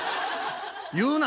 言うな。